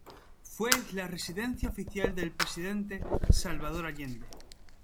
Fue la residencia oficial del Presidente Salvador Allende.